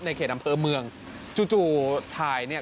เขตอำเภอเมืองจู่จู่ถ่ายเนี่ย